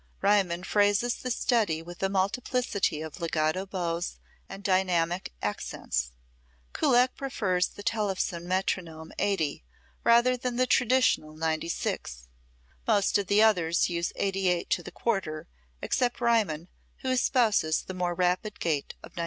Riemann phrases the study with a multiplicity of legato bows and dynamic accents. Kullak prefers the Tellefsen metronome 80, rather than the traditional 96. Most of the others use 88 to the quarter, except Riemann, who espouses the more rapid gait of 96.